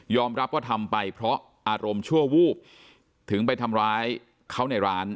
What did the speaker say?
รับว่าทำไปเพราะอารมณ์ชั่ววูบถึงไปทำร้ายเขาในร้าน